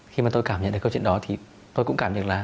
khi mà tôi cảm nhận được câu chuyện đó thì tôi cũng cảm nhận là